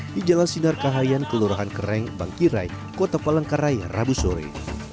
di jalan sinar kahayan kelurahan kereng bangkirai kota palangkaraya rabu sore